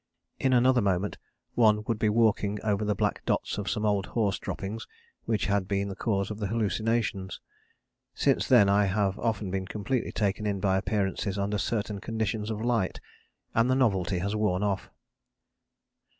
In another moment one would be walking over the black dots of some old horse droppings which had been the cause of the hallucinations. Since then I have often been completely taken in by appearances under certain conditions of light, and the novelty has worn off.